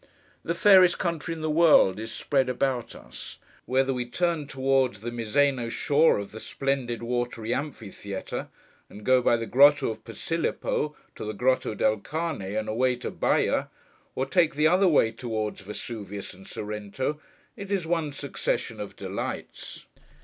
The fairest country in the world, is spread about us. Whether we turn towards the Miseno shore of the splendid watery amphitheatre, and go by the Grotto of Posilipo to the Grotto del Cane and away to Baiæ: or take the other way, towards Vesuvius and Sorrento, it is one succession of delights.